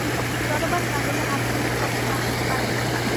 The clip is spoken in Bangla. জড়বাদ না গেলে আধ্যাত্মিক কখনও আসিতে পারে না।